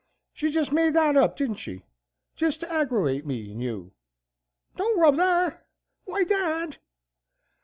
She jest made that up, didn't she, jest to aggrewate me and you? Don't rub thar. ... Why, dad!"